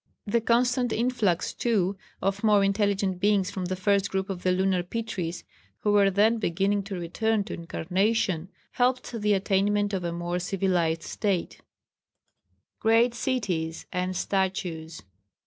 The constant influx, too, of more intelligent beings from the first group of the Lunar Pitris, who were then beginning to return to incarnation, helped the attainment of a more civilised state. [Sidenote: Great Cities and Statues.